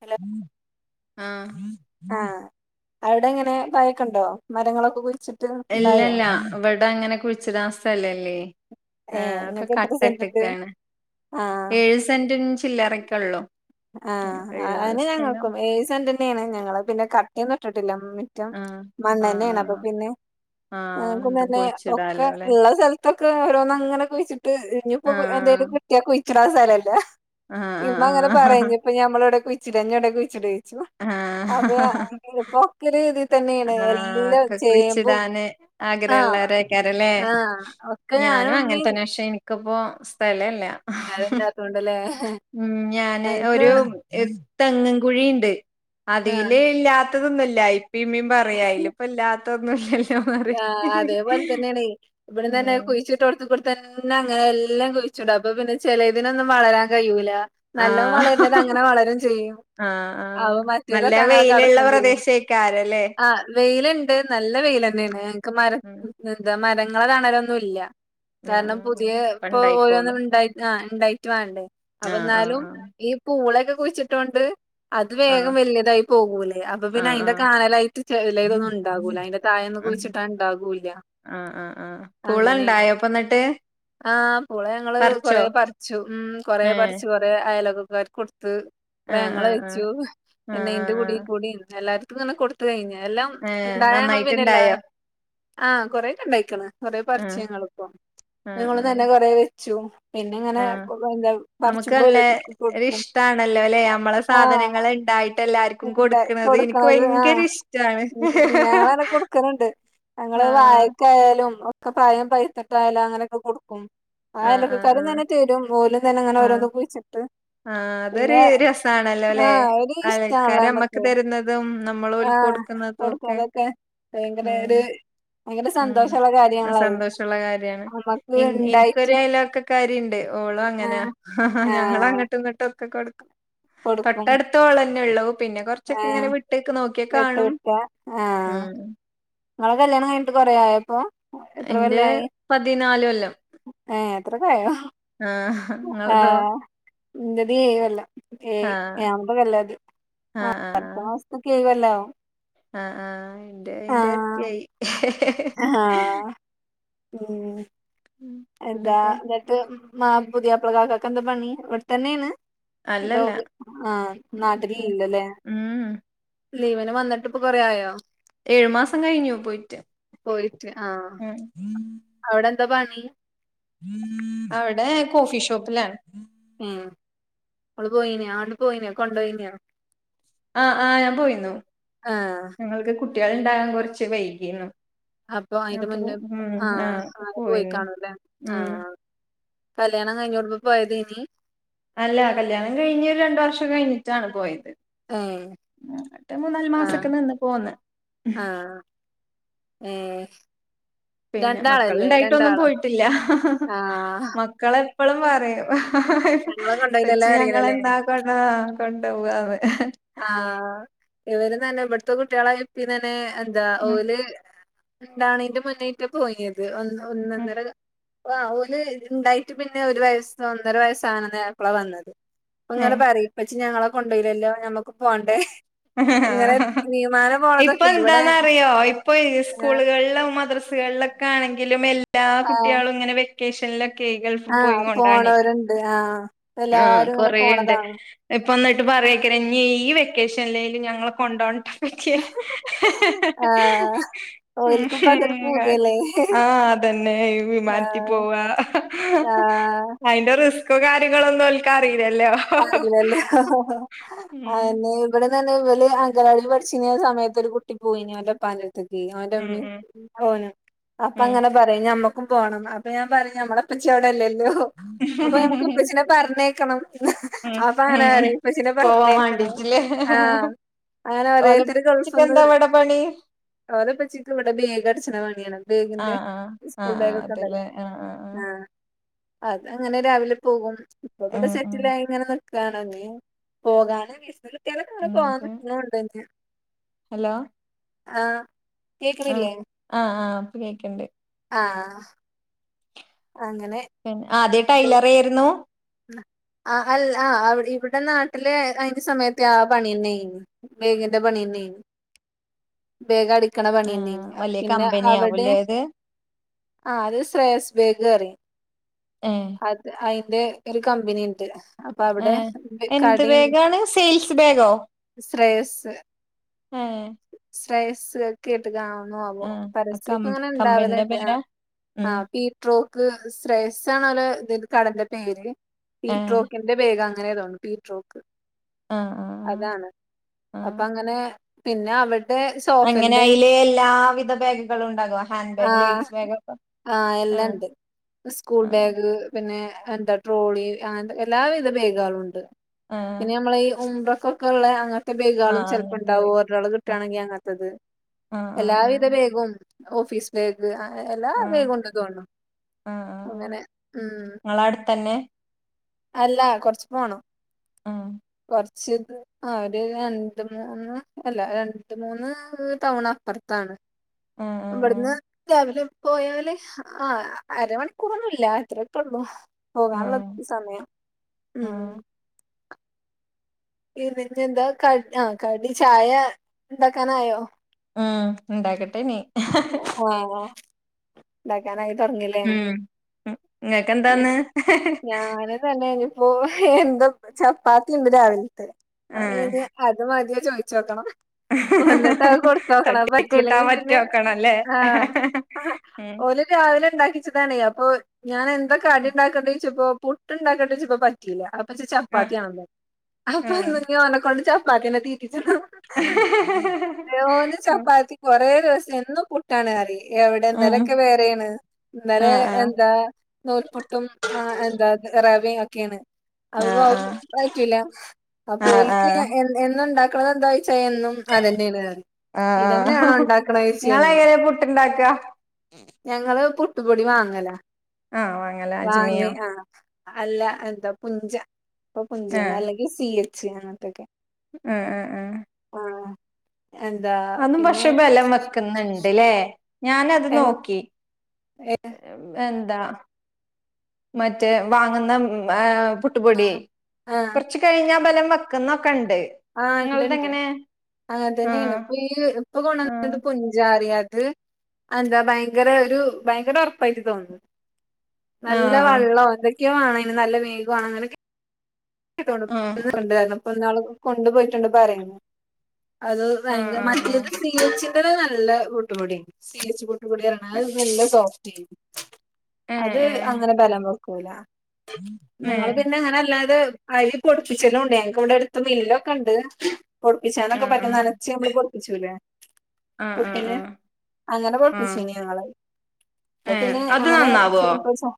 Hello ആഹ് ആഹ് അവിടെ ങ്ങനെ മയക്കണ്ടോ? മരങ്ങളൊക്കെ കുഴിച്ചി ഇല്ലല്ല ഇവിടെ ങ്ങനെ കുഴിച്ചിടാൻ സ്ഥലല്ല. ഏഹ് ആഹ് ഒക്കെ ഇങ്ങക്ക് എത്ര സെന്റ്ണ്ട് കട്ടട്ട്ക്കാണ്. ആഹ് ഏഴു സെന്റും ചില്ലറക്കള്ളോ. ആഹ് അഹേന്നെ ഞങ്ങക്കും. ഏയ് സെന്റന്നെയാണ്. ഞങ്ങള് പിന്നെ കട്ടൊന്നുട്ടിട്ടില്ല. റ്റം ആഹ് ആഹ് മണ്ണന്നെണ്. അപ്പൊ ആഹ് പിന്നെ ആഹ് ക്കം എന്തും തന്നെ ഒക്കെ കുഴിച്ചിടാലോ ല്ലെ ള്ള സ്ഥലത്തൊക്കെ ഓരോന്ന് അങ്ങനൊ കുയിച്ചിട്ട് ഇഞ്ഞപ്പോ എന്തേലും ആഹ് കി ട്ട്യാ കുഴിച്ചിടാൻ സ്ഥലല്ല. ആഹ് ഇമ്മങ്ങനെ ആഹ് അപ്പ ഞമ്മളോടെ കുയ്ച്ചിട. ഞ്ഞൊവിടെ കുഴിച്ചിടൊഴിച്ചു. അപ്പ ആഹ് ഞാന് ഇപ്പോ ഒര് രിതീൽ തന്നെണ്. ആഹ് എല്ലാം ഒക്കെ ചേമ്പും കുഴിച്ചിടാന് ആഹ് ആഗ്രഹള്ളോരേക്കാരല്ലേ ആഹ് ഒക്കെ ഞാനും ഉമ്മീം അങ്ങനത്തന്ന. പക്ഷെ എനിക്കിപ്പോ സ്ഥലല്ല. സ്ഥലംല്ലാത്തോണ്ടല്ലേ? ഉം ഞാന് ഒരു തെങ്ങൻ കുഴിണ്ട്. ആഹ്. അതില് ഇല്ലാത്തതൊന്നുല്ല. ഇപ്പിം ഇമ്മിം പറയാ യ്ലും. ഇപ്പല്ലാത്ത ഒന്നും ഇല്ലല്ലോറി. ആഹ് അതേപോലെ മ് കുഴിച്ചിട്ട് അത് ബടെ തന്നെ അങ്ങനെ എല്ലാം കുഴിച്ചുട. അപ്പൊ പിന്നെ ചിലതിനൊന്നും വളരാൻ കഴൂല. നല്ലോ ആഹ് വളരുന്നത് അങ്ങനെ വളരും ചെയ്യും. ആഹ് ആഹ് അവൊ നല്ല മറ്റേതൊക്കെ അങ്ങനൊക്കെ വെയിലുള്ള കടക്ക ചെയ്യും. പ്രദേശേക്കാരല്ലേ ആഹ് വെയിലുണ്ട്. നല്ല ഉം വെയ്ൽന്നെയാണ്. നക്ക് മരം ഉം എന്താ മരങ്ങളെ തണാലൊന്നുംല്ല. ആഹ് കാരണം ആഹ് പുതിയ ആഹ് പ്പൊ ഓരോന്നും അപ്പണ്ടായിക്കോളും ഉണ്ടായി ആഹ് ണ്ടായിട്ട് വേണ്ടേ? ആഹ് അപ്പന്നാലും ആഹ് ഈ പൂളൊക്കെ കുഴിച്ചിട്ടോണ്ട്. അത് വേഗം ആഹ് വല്യതായി പോകൂലേ. അപ്പൊ പിന്നെ ആഹ് അയിന്റെ ആഹ് കാനലായിട്ട് ചിലതൊന്നും ഉണ്ടാവൂലാ. അയ്ന്റെ തായ ആഹ് ആഹ് കുയ്ച്ചിട്ടാ ണ്ടാകൂല്ല. ആഹ് ആഹ് ആഹ് അങ്ങനെണ്. പൂളണ്ടായോ അപ്പന്നിട്ട് ആഹ് പൂള ഞങ്ങള് പറിച്ചോ കൊറെ പറിച്ചു. ഉം കൊറേ ഏഹ് പറിച്ചു. കൊ റേ അയലക്കക്കാർക്ക് കൊട്ത്ത്. കൊറേ ആഹ് ഞങ്ങൾ ആഹ് ആഹ് വെച്ചു. ന്നെ ആഹ് ന്റെ ആഹ് കുടി ആഹ് കൂടി എല്ലാര്. ട്ടെന്ന ന്നെ കൊടുത്ത് കഴിഞ്ഞ്. എല്ലാം ഏഹ് ണ്ടായ ങ്ങൾ പിന്നെ ഞങ്ങ പിന്നെ ല്ല. നന്നായിട്ടുണ്ടായോ ആഹ് കൊറെക്ക ണ്ടായ്ക്ക്ണ്. കൊറെേ ആഹ് പർച്ച് ഞങ്ങളും ആഹ് തന്നെ ആഹ് കൊറെ വെച്ചു. പിന്നെ ങ്ങനെ ആഹ് എന്താ നമുക്ക് പറച്ചുമ്പോ നല്ലേ ഓരോത്തർക്ക് കൊട്ക്കും. സാധനങ്ങള് ണ്ടായിട്ട് എല്ലാർ. ക്കും കൊടുക്ക്ണത് ഇൻക്ക് കൊടുക്കണത് ഭയങ്കര ആഹ് ഇഷ്ടാണ്. ഉം ഞങ്ങളങ്ങനെ കൊടുക്കലുണ്ട് ഞങ്ങള് ആഹ് വായക്കായാലും ഒക്കെ പഴം പൈത്ത്ട്ടായാലും അങ്ങനൊക്കെ കൊടുക്കും. ആഹ് ആഹ് അയൊലക്കക്കാരും ആഹ് തന്നെ തരും ഓലും തന്നെ ഇങ്ങനെ ആഹ് ഓരോന്ന് കുഴിച്ചിട്ട്. ആഹ് അതൊരു പിന്നെ രസാണല്ലോ ല്ലെ? അയല [unintelligible] ബെക്കെ. തും നമ്മള് ഓൽക്ക് കൊടുക്കുന്നതും ഒക്കെ കൊടുക്കണതൊക്കെ ഭയങ്കര ഉംഹ് ഒരു ഭയങ്കര സന്തോഷമുള്ള ഉം കാര്യാണല്ലോ അത് സന്തോഷള്ള കാര്യാണ് നമ്മക്ക് ഇൻ ഇണ്ടായിട്ട് ഇൻക്കൊര് അയലൊക്കെ. ക്കാരിണ്ട്. ഓളും അങ്ങന ആഹ് ഞങ്ങളും ആഹ് അങ്ങട്ടും ഇങ്ങട്ടും ഒക്കെ കൊടുക്കും കൊടുക്കും തൊട്ടടു. ത്ത് ഓളെന്നൊള്ളു. പിന്നെ കൊറച്ചൊക്കെ ആഹ് ഇങ്ങനെ വിട്ട്ക്ക് നോക്കിയ വിട്ട് കാണും. വിക്ക ആഹ് ഉംഹ്. ഇങ്ങളെ കല്യാണം കഴിഞ്ഞിട്ട് കൊറേ ആയപ്പോ.? ഇന്റെ പതിനാാല് കൊല്ലം ഏഹേ അത്രക്കായോ? ആഹ് ഇങ്ങളതോ? ആഹ് ഇന്റത് ഏഴ് കൊല്ലം ഏയ് ആഹ് ഏഴാമത്തെ കൊല്ലാ ഇത്. ആഹ് അടുത്ത മാസത്ത്ക്ക് ഏയ് കൊല്ലാവും. ആഹ് ആഹ് ഇന്റെ അയിന്റെ ആഹ് എര്ട്ടിയായ്. ആഹ് ഉംഹ് ഉം എന്താ എന്തൊക്കെ ഇന്നെട്ട് മാ പുതിയാപ്ലക്കാക്കാക്ക് എന്താ പണി ഇവിടെത്തന്നെയാണ്? അതോ അല്ലല്ല ആഹ് ഗൾഫില നാട്ടിലില്ലല്ലേ? ഉം ലീവിന് വന്നിട്ട്പ്പൊ കൊറേ ആയോ? ഏഴു മാസം കഴിഞ്ഞു പോയിട്ട്. ഉംഹ്. അവിടെന്താ പണി? അവ്ടെ കോഫിഷോപ്പിലാണ്. ഉംഹ് ഇങ്ങള് പോയിനിയൊ ആണ്ട് പോയിനിയൊ കൊണ്ടോയീനിയോ? ആഹ് ആഹ് ഞാൻ പോയിന്നു. ആഹ് ഞങ്ങൾക്ക് കുട്ട്യാള് ഇണ്ടാകാൻ കൊറ്ച്ച് വൈകീന്നു. അപ്പൊ അയിന് മുന്ന് ആഹ് അപ്പൊ അങ്ങനെ പോയിന്നു. പോയിക്കാണും ല്ലെ? ഉം ആഹ് കല്ല്യാണം കഴിഞ്ഞൂടുമ്പം പോയതേനി? അല്ല കല്യാണം കഴിഞ്ഞ് ഒരു രണ്ടു വർഷം കഴിഞ്ഞിട്ടാണ് പോയത്. ഏഹ് ഇന്ന്ട്ട് മൂന്നാല് ആഹ് മാസക്കെ നിന്ന് പോന്ന്. ഏഹേ പിന്നെ മക്കള്ണ്ടായിട്ടൊന്നും പോയിട്ടില്ല. ആഹ് മക്കള് എപ്പളും പറിയും ഞങ്ങളെ കൊണ്ടോയില്ലല്ലോ ഇപ്പച്ചി അറിയില്ലല്ലേ ഞങ്ങളെന്താ കൊണ്ടാവ. ആഹ് കോണ്ടോവാന്ന് ആഹ് ഇവരുംതന്നെ ഇവടുത്തെ കുട്ട്യാളാ ഇപ്പിം തന്നെ എന്താ ഉം ഓല്. ഇണ്ടാണീന്റെ മുന്നേ ആയിറ്റാ പോയിനിയത്. ഒന്ന് ഉം ഒന്നൊന്നര ആഹ് ഓല് ഇണ്ടായിട്ട് പിന്നെ ഒരു വയസ് ഒന്നര വയസ്സാവാനായപ്പള വന്നത്. ഇപ്പെങ്ങനെ ഏഹ് പറിയ് ഇപ്പച്ചി ഞങ്ങളെ കൊണ്ടോയിലല്ലോ ഞമ്മക്ക് പോണ്ടേ ഇങ്ങനെ വിമാ. ഇപ്പം എന്താന്നറിയോ ഇപ്പൊ സ്കൂളുകളിലും മദ്രസുകളളിലൊ. ക്കാണെങ്കിലും എല്ലാ ആഹ് കുട്ട്യാളും ഇങ്ങനെ വെക്കേഷനിലൊക്കെ ഗൾഫി പോയിങ്ങോണ്ടാണെ. ഇണ്ട് ണ്ട് ആഹ്. ആഹ് എല്ലാരും ഇങ്ങനെ കൊറേണ്ട്. പോണതാണ് ഇപ്പൊ ഇന്നെട്ട് പറയേക്കാരം ഇഞ്ഞ് ഈ വെക്കേഷൻ ല്ലേലും ഞങ്ങളെ കൊണ്ടോണ ട്ടോ ഇപ്പെച്ചിയെ ആഹ് ഓൽക്കിപ്പ അതൊരു ഉംഹ് പൂതിയല്ലേ ആ അതന്നെ ഈ വിമാനത്തി പോവാ. ആഹ്. അയിന്റെ റിസ്കോ കാര്യങ്ങളൊന്നും ഒൽക്കറീലല്ലോ. അറിയില്ലല്ലേ ഉം ആനേം ഇവിടേന്നുപറഞ്ഞാ ഇവല് അങ്കനവാടീല് പഠിച്ചിന്ന സമയത്ത് ഒരു കുട്ടി പോയീന്ന് അവന്റുപ്പാന്റെടു ത്ത്ക്ക് അവന്റെ ഉം ഉമ്മേം ഉം ഓനും അപ്പ ഉം അങ്ങനെ പറയും ഞമ്മക്കും പോണംന്ന് അപ്പൊ ഞാൻ പറയും ഞമ്മളെ ഉപ്പച്ചി അവിടെ അല്ലല്ലോ അപ്പൊ നമുക്ക് ഉപ്പച്ചീനെ പറഞ്ഞേക്കണം ഉം അപ്പം ഉം അങ്ങനെ ഉം പറയും ഇപ്പച്ചിനെ പോവാൻ പറഞ്ഞേക്കണം വാണ്ടീട്ടില്ലേ ആ അങ്ങനെ ഓലെ ഓരോരുത്തര് മ്മച്ചിക്ക് എന്താ ഗൾഫന്നുവരും. ഇവിടെ പണി ഓന്റെ ഉപ്പച്ചിക്കിവിടെ ബേഗ് അടിച്ചണ പണിയാണ് ബേഗിന്റെ ആഹ് ആഹ് സ്കൂൾ ആഹ് ആഹ് ബാഗൊക്കെ ഒണ്ടല്ലോ അതല്ലേ ആഹ് ആഹ് ആഹ് ആ അതങ്ങനെ രാവിലെ പോകും ഇപ്പോ ഉം ഇവിടെ ഉം സെറ്റിലായിങ്ങനെ നിക്കുവാണോനീം പോകാന് വിസ കിട്ടിയാല് കേറി എന്നിട്ട് പോകാന്നൊണ്ടുനീം. ഹലോ ആഹ് ആ കേക്കണില്ലേ? ആ ആ ഇപ്പ കേക്കണ്ട്. ആഹ് അങ്ങനെ ആദ്യം ടൈലറായിരുന്നു. ആ അല്ല ആ അവി ഇവിടെ നാട്ടില് അയിന്റെ സമയത്ത് ആ പണി തന്നെയിരുന്നു. ബേഗിന്റെ പണിയന്നെയിരുന്നു. ബേഗ് അടിക്കണ ആഹ് പണിതന്നെയിരുന്നു വലിയ പിന്നെ കമ്പനി അവിടെ ആവുംല്ലേ ഇത് ആ അത് ശ്രേയസ് ബേഗ് പറയും ഏഹ് അത് അയിന്റെ ഒരു കമ്പനി ഉണ്ട്. ഏ എന്തുബേഗാണ് സെയിൽസ് ബേഗോ ശ്രേയസ് ഏ ശ്രേയസ്. കേട്ടുകാണുവോ ആവോ ആഹ് അത് കം പരസ്യൊക്കെ ഇങ്ങനെ കമ്പനിന്റെ ഇണ്ടാവലൊണ്ട് ആ പേരാ ആ ഉം പീ ട്രോക്ക് ശ്രേയസാണ് ഓല ഇത് കടേന്റെ പേര് ഏഹ് പീട്രോക്കി എന്റെ ബേഗ് അങ്ങനെയേതോവാണ് പീട്രോക്ക്. ആ ആ അതാണ് അപ്പൊ അങ്ങനെ പിന്നെ അവിടെ അങ്ങനെ അയിലെ എല്ലാവിധ ബാഗുകളും ഉണ്ടാകും ഹാൻഡ് ബാഗ് ലേഡീസ് ബാഗ് ഒക്കെ. ആ എല്ലാം ഒണ്ട്. സ്കൂൾബാഗ് പിന്നെ എന്താ ട്രോളി ആ എന്താ എല്ലാവിധ ബേഗുകളും ഒണ്ട്. ആഹ് പിന്നെ നമ്മളെ ഈ ഉംറക്കൊക്കെ ഒള്ള അങ്ങന് ത്തെ ബേഗുകളും ആഹ് ചെലപ്പോ അങ്ങനത്തെ ഒണ്ടാവും ബാഗ് ഓട്രോള് കിട്ടുകയാണെങ്കി അങ്ങനത്തത് ആഹ് ആഹ് എല്ലാവിധ ആഹ് ബേഗും. ഓഫീസ് ബേഗ് ആ എല്ലാ ആഹ് വേഗും ആഹ് ഒണ്ടെന്നു തോന്നണു. ആഹ് അങ്ങനെ ഉം നിങ്ങളെ അടുത്തന്നെ. അല്ല കൊറച്ചുപോണം. ആം കൊറച്ച് ഇത് ആ ഒരു രണ്ട് മൂന്ന് അല്ല രണ്ട് മൂന്ന് ടൗൺ അപ്പറത്താണ്. ! ! ! ! ! ! ! ! ആം ഇവടന്ന് രാവിലെ പോയാല് ആ അരമണിക്കൂറൊന്നും ഇല്ല അത്രൊക്കെ ഒള്ളു. ആഹ് പോകാനൊള്ള ആഹ് സമയം ഉം. ആഹ് ഇതിഞ്ഞാ എന്താ ക ആ കടി ചായ ഉണ്ടാക്കാനായോ. ഉം ഉണ്ടാക്കട്ടെ നീ ഉം ഉം ഉണ്ടാക്കാനായി തൊടങ്ങീല്ലേ ഉം ഇങ്ങക്കെന്താന്ന് ഞാനും തന്നെയ്നു ഓഹ് എന്താപ്പാ ചപ്പാത്തി ഉണ്ട് രാവിലത്തെ ആഹ് അത് മതിയ ചോയിച്ച് നോക്കണം തട്ടി കൂട്ടാൻ പറ്റിയില്ലെങ്കിൽ പിന്നെ പറ്റോക്കണല്ലേ ഉം ഇന്ന് രാവിലെ ണ്ടാക്കിച്ചതാണേ അപ്പൊ ഞാൻ എന്താ കടിണ്ടാക്കണ്ടേയ്ച്ചപ്പോ പുട്ടുണ്ടാക്കണ്ടേ യ്ച്ചപ്പോ പ റ്റീല അപ്പൊച്ച് ചപ്പാത്തി ആഹ് വാണംന്ന് അപ്പൊ ആഹ് ഞ് ഓനെക്കൊണ്ട് ചപ്പാത്തിയന്നെ തീറ്റിച്ചണം ഓരോന്ന് ചപ്പാത്തി കൊറേ ദെ വസം എന്നും പുട്ടാണ്ന്ന് പറയും എവിടെ ഉം ന്നലൊക്കെ വേറേണ് ന്നലെ ആഹ് ആഹ് എന്താ നൂൽപുട്ടും എന്താ റവ ഒക്കെയാണ് അത്പ്പൊ ആഹ് പറ്റൂല അപ്പോ ആഹ് ആഹ് ഓൽക്ക് ഞാ ആഹ് എന്നണ്ടാ- ക്ക്ണതെന്താന്നോയ്ച്ച എന്നും അത് തന്നെയാണ് പറയും ഇതന്നെയാണോ ഉണ്ടാക്കണേ- ങ്ങളെങ്ങനെയ പുട്ട് ഇണ്ടാക്ക ഞങ്ങള് പുട്ടുപൊടി വാങ്ങല ആഹ് വാങ്ങല വാങ്ങി അജ്മിയോ ആഹ് അല്ല എന്താ പുഞ്ച ഇപ്പൊ പുഞ്ചേണ് ആഹ് അല്ലെങ്കിൽ സി എച്ച് ഇങ്ങനെത്തൊക്കെ ആഹ് ആഹ് ആഹ് ആഹ് എന്താ പിന്നെ ട്ട്ന്നുണ്ട്ല്ലേ ഞാനത് നോക്കി ഏഹ് എന്താ മറ്റേ വാങ്ങുന്ന പുട്ടുപൊടി ആഹ് കൊറച്ച് കഴിഞ്ഞാ ബലം വെക്കുന്നൊക്കെണ്ട് ആഹ് ഇണ്ട്ണ്ട് ഇങ്ങൾതെങ്ങനെ അങ്ങതന്നേണ് ആഹ് ഇപ്പൊ ഈ ഇപ്പൊ ആഹ് കൊണ്ടുവന്നത് പുഞ്ചാറിയാത് അതെന്താ ഭയങ്കര ഒരു ഭയങ്കര ഉറപ്പായിട്ട് തോന്നും നല്ല ആഹ് വെള്ളം അതൊ - ക്യോ ആണ് ഇനി നല്ല വേഗ ഒണങ്ങണോങ്കി ആഹ് പ്പ ന്നാള് കൊണ്ടുപോയിട്ടുണ്ട് പറയ്ണ് അത് ആഹ് ഭയങ്കര മറ്റേത് ആഹ് സീഎച്ചിന്റെത് നല്ല പുട്ട് പൊടി സി എച്ച് പു - ട്ട് പൊടി ആഹ് പറയണഅത് നല്ല സോഫ്റ്റ് ഏഹ് അത് അങ്ങനെ ബലം വക്കൂല ഏഹ് ഞങ്ങള് പിന്നെ അങ്ങനെ അല്ലാതെ അരി പൊട്പ്പിച്ചലും ഉണ്ട് ഞങ്ങക്ക് ഇവിടെ അടുത്ത് മില്ലൊക്കെണ്ട് പൊട്പ്പിച്ചാനൊക്കെ ഏഹ് ആഹ് പറ്റും ആഹ് നനച്ച് നമ്മള് പൊ - ട്ച്ചൂലെ ആഹ് പുട്ടിന് ആഹ് അങ്ങനെ ആഹ് ആഹ് പൊടിപ്പിച്ചീനി ഞങ്ങള് ഏഹ് പ്പപിന്നെ അത് അങ്ങനെ നന്നാവോ പ [unintelligible]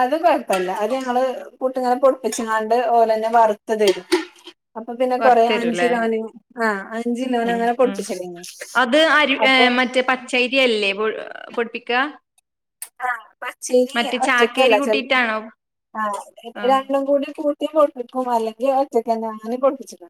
അത് കൊഴപ്പല്ല അത് ഞങ്ങള് പു ട്ടിങ്ങനെ പൊ ടിച്ച്ങ്ങാണ്ട് ഓളന്നെ വറുത്തതെടുക്കും അപ്പൊ പിന്നെ കൊറേ വറുത്തരൂല്ലേ അഞ്ചിലോന് ആഹ് അഞ്ചിലോന് ഉം അങ്ങനെ ഉം പൊട്പ്പിച്ചലൈനി അത് അരി മറ്റേ പച്ചയ്രിയല്ലേ പൊടി പൊട്ടിക്ക ആഹ് പച്ചരിയ ചാക്കേരി ഒറ്റക്കല്ല ചെല കൂട്ടിയിട്ടാണോ ആഹ് ആഹ് രണ്ടും കൂടി കൂ- ട്ടി പൊട്പ്പിക്കും അല്ലെങ്കി അത് ഒറ്റക്കന്നെ അങ്ങനെ പൊട്പ്പിച്ചണ്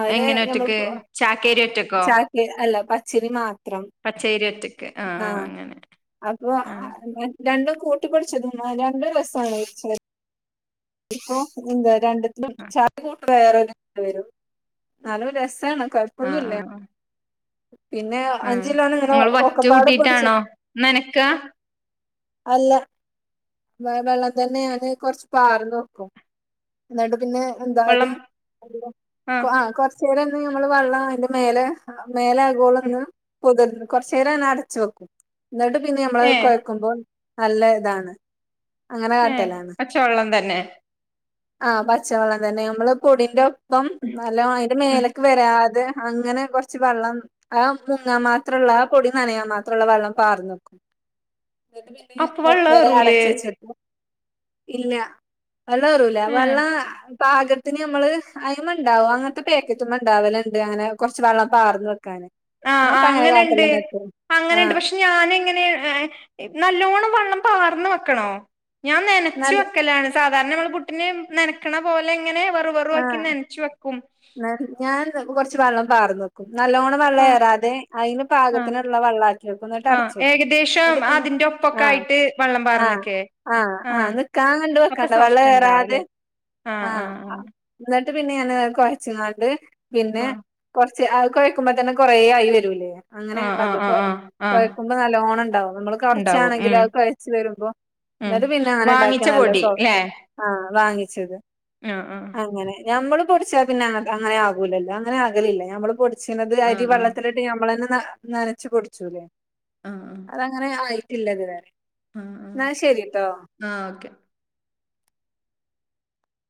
അയ്ന് എങ്ങനെ ഒറ്റക്ക് നമ്മള്പ്പോ ചാക്കേരി ഒറ്റക്കോ ചാക്കെ അല്ല പച്ചരി മാത്രം പച്ചയ്രി ഒറ്റക്ക് ആഹ് ആഹ് അങ്ങനെ അപ്പൊ ആഹ് രണ്ടും കൂട്ടിപ്പൊടിച്ചതും രണ്ടും രസാണ് വേവിച്ചാല് ഇപ്പൊ എന്താ രണ്ടും പൊടിച്ചാത്തതാ വേറെ [unintelligible] വരും ന്നാലും രസാണ് കൊഴ ആഹ് ആഹ് ആഹ് പിന്നെ ആഹ് അഞ്ചിലോന് ഇങ്ങനെ ഇങ്ങള് വറ്റ് ഒക്കെപാടെ കൂട്ടിയിട്ടാണോ പൊടിച്ച്ണ് നനക്കാ അല്ല. വെ വെള്ളം തന്നെ ഞാന് കൊറച്ച് പാർന്ന് വെക്കും. ഇന്നട്ട് പിന്നെ എന്തായത് വെള്ളം കൊ ആഹ് കൊർ ച്ചേരം ഒന്ന് നമ്മള് വള്ളം അയ്ന്റെ മേലെ ആഹ് മേലെ ആകോളൊന്ന് പൊതിർന്ന് കൊറച്ചേരം അങ്നെ അടച്ചു വെക്കും. ഇന്നട്ട് പിന്നെ ഞമ്മളത് ഏഹ് കൊയ്ക്കുമ്പം നല്ല ഇതാണ്. അങ്ങനെ കാട്ടലാണ്. പച്ച വെള്ളം തന്നെ. ആഹ് പച്ചവെള്ളം തന്നെ. നമ്മള് പൊടിന്റെ ഒപ്പം നല്ലോം അയ്ന്റെ ഉം മേലെക്ക് വരാതെ അങ്ങനെ കൊറച്ച് വെള്ളം ആ മുങ്ങാം മാത്രള്ള ആ പൊടി നനയാൻ മാത്രള്ള വെള്ളം പാർന്നെക്കും. ന്നട്ട് പിന്നെ അപ്പൊ വെള്ളം കൊറച്ചേരം ഏറൂലേ അടച്ച് വെച്ച് ഇല്ല. വെള്ളേറൂല. ഏഹ് വെള്ളാ പാകത്തിന് നമ്മള്. അയ്മണ്ടാവും. അങ്ങൻത്തെ പേക്കറ്റ്മെ ഇണ്ടാവല്ണ്ട് അങ്ങനെ കൊർച്ച് വെള്ളം പാർന്ന് വെക്കാന്. ആഹ് ഞാൻപ്പ ആഹ് അങ്ങനെ അങ്ങനെണ്ട്. കാട്ടല്ണ്ട് എപ്പഴും അങ്ങനെണ്ട് ആഹ് പക് ഷെ ഞാന് ങ്ങനെ, നല്ലോണ്ണം വള്ളം പാർന്ന് വെക്കണോ? ഞാൻ നനച്ചു നല്ല വെക്കലാണ്. സാധാരണ നമ്മൾ പുട്ടിന് നനക്ക്ണ പോലെ ഇങ്ങനെ വെറും വെറു ആക്കി ആഹ് നൻച്ചു വെക്കും. ഞാൻ രെ കൊറച്ച് വെള്ളം പാർന്നെക്കും. നല്ലോണം ആഹ് വള്ളേറാതെ അയ്ന് ആഹ് പാകത്തിനുള്ള വള്ളാക്കി വെക്കും. ഇന്നട്ട് ആഹ് അടച്ച് വെക്കും. ഏകദേശം ന്നട്ട് പിന്നെ അതിന്റെ ഒപ്പൊക്കെ ആഹ് ആയിട്ട് വെള്ളം ആഹ് പാർന്നൊക്കെ ആഹ് ആഹ് നിക്കാൻ കണ്ട് അപ്പൊ വെക്കണ്ട. സോഫ്റ്റ് വെള്ളേറാതെ ഉണ്ടാവുംല്ലേ ആഹ് ആഹ് ആഹ് ഇന്നട്ട് പിന്നെ ഞാനത് കൊഴച്ച്ങ്ങാണ്ട് പിന്നെ ആഹ് കൊർച്ച് അത് കൊഴക്കുമ്പം തന്നെ കൊറേ ആയി വരൂലേ. ആഹ് ആഹ് അങ്ങനെയ്ള്ളത് ആഹ് ആഹ് കൊയ് ആഹ് ആഹ് കൊയ്ക്കുമ്പം നല്ലോണം ണ്ടാവും. നമ്മള് ഇണ്ടാവും ഉം കൊർച്ചാണെങ്കിലും അത് കൊയ്ച്ച് വരുമ്പം. ഉം ന്നട്ട് പിന്നെ അങ്ങനെ വാങ്ങിച്ച ഇണ്ടാക്ക്യാണ്ട് നല്ല പൊടി സോഫ്റ്റും ആഹ് വാങ്ങിച്ചത് നാ ആഹ്. അങ്ങനെ. ഞമ്മള് പൊട്ച്ചാ പിന്നെ അങ്ങനെ ആകൂലല്ലാ അങ്ങനെ ആകലില്ല. ഞമ്മള് പൊടിച്ച്ണത് അരി ആഹ് വള്ളത്തില് ട്ട് നമ്മളന്നെ ന, നനച്ചു പൊടിച്ചൂല്ലേ ആഹ് ആഹ് അതങ്ങനെ ആയിട്ടില്ല ഇത് വെരെ. ആഹ് ന്നാ ശരിട്ടോ. ആഹ് ഓക്കെ.